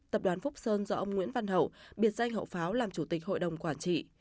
tập đoàn phúc sơn do ông nguyễn văn hậu biệt danh hậu pháo làm chủ tịch hội đồng quản trị